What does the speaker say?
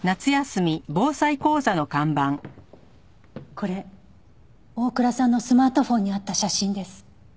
これ大倉さんのスマートフォンにあった写真です。